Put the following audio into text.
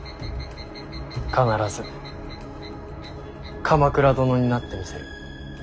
必ず鎌倉殿になってみせる。